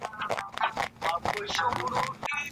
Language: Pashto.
که څوک له ټولني ګوښه سي پردی کېږي.